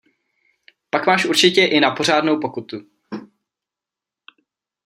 Pak máš určitě i na pořádnou pokutu.